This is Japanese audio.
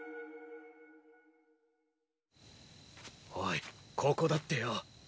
おいここだってよ。